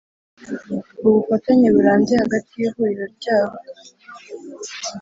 ubufatanye burambye hagati y ihuriro ryabo